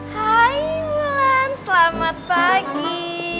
hai mulan selamat pagi